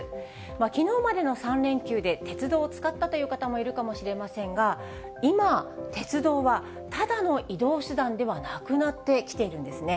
きのうまでの３連休で鉄道を使ったという方もいるかもしれませんが、今、鉄道はただの移動手段ではなくなってきているんですね。